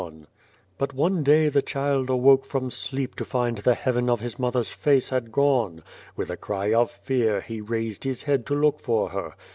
72 Beyond the Door " But one day the child awoke from sleep to find the heaven of his mother's face had gone. With a cry of fear he raised his head to look for her.